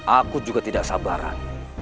aku juga tidak sabaran